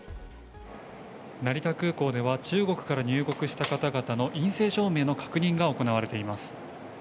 成田空港では、中国から入国した方々の陰性証明の確認が行われています。